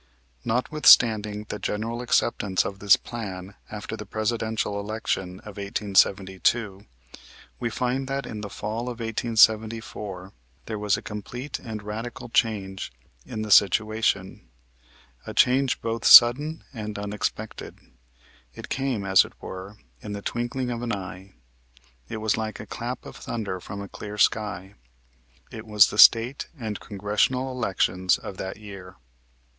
Notwithstanding the general acceptance of this plan after the Presidential election of 1872, we find that in the fall of 1874 there was a complete and radical change in the situation, a change both sudden and unexpected. It came, as it were, in the twinkling of an eye. It was like a clap of thunder from a clear sky. It was the State and Congressional elections of that year.